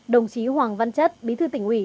đồng chí hoàng văn chất bí thư tỉnh ủy